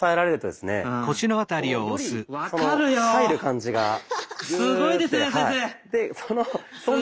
すごいですね先生！